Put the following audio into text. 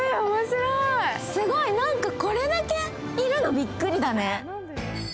すごい、なんかこれだけいるのびっくりだね。